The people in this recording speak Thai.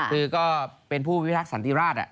คือก็เป็นผู้พิทักษันติราช